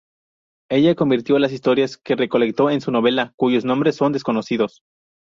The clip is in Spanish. Ella convirtió las historias que recolectó en su novela "Cuyos nombres son desconocidos".